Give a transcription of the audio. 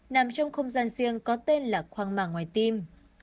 nằm trong không gian riêng có tên là khoang màng ngoài tim